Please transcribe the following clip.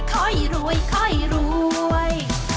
ค่อยรวยค่อยรวย